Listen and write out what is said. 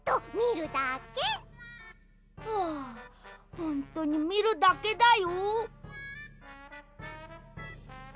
ほんとにみるだけだよ。